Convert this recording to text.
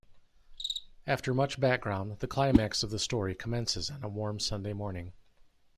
After much background, the climax of the story commences on a warm Sunday morning.